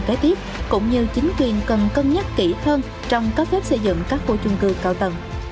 cái tiếp cũng như chính quyền cần cân nhắc kỹ hơn trong các phép xây dựng các khu chung cư cao tầng